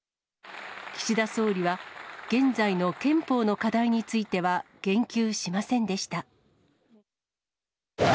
岸田総理は、現在の憲法の課題については言及しませんでした。